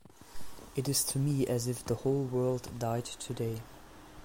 It is to me as if the whole world died today.